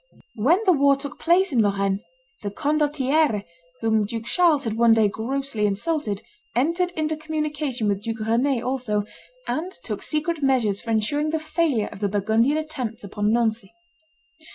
When the war took place in Lorraine, the condottiere, whom Duke Charles had one day grossly insulted, entered into communication with Duke Rend also, and took secret measures for insuring the failure of the Burgundian attempts upon Nancy.